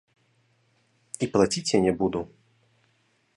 І плаціць я не буду.